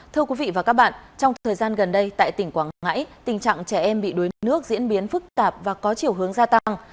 thưa quý vị và các bạn trong thời gian gần đây tại tỉnh quảng ngãi tình trạng trẻ em bị đuối nước diễn biến phức tạp và có chiều hướng gia tăng